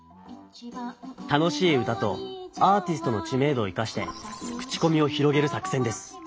楽しい歌とアーティストの知名度を生かして口コミを広げる作せんです。